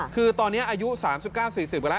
คือตอนนี้อายุ๓๙๔๐กันแล้ว